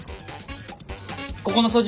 ここの掃除